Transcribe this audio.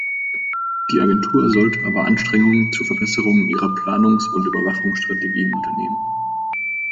Die Agentur sollte aber Anstrengungen zur Verbesserung ihrer Planungs- und Überwachungsstrategien unternehmen.